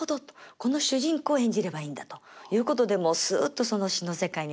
この主人公を演じればいいんだということでもうすっとその詞の世界に入りまして。